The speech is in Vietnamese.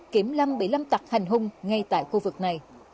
kiểm lâm bị lâm tặc hành hung ngay tại khu vực này